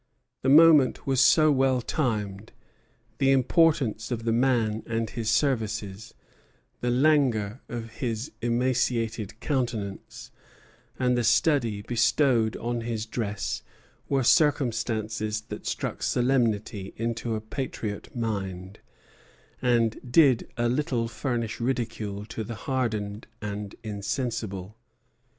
"The moment was so well timed, the importance of the man and his services, the languor of his emaciated countenance, and the study bestowed on his dress were circumstances that struck solemnity into a patriot mind, and did a little furnish ridicule to the hardened and insensible.